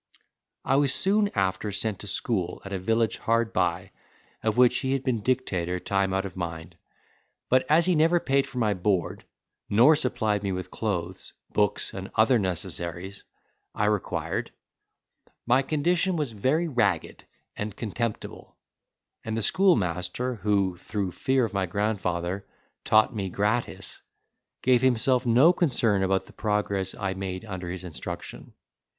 I was soon after sent to school at a village hard by, of which he had been dictator time out of mind; but as he never paid for my board, nor supplied me with clothes, books, and other necessaries I required, my condition was very ragged and contemptible, and the schoolmaster, who, through fear of my grandfather, taught me gratis, gave himself no concern about the progress I made under his instruction.